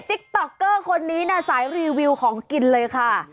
ติ๊กต๊อกเกอร์คนนี้นะสายรีวิวของกินเลยค่ะ